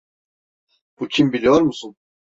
Bu kim biliyor musun?